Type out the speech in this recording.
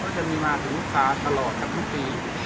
ก็จะมีมาถึงฝากตลอดทุกปี